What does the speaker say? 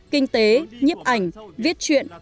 kinh tế nhiếp ảnh viết chuyện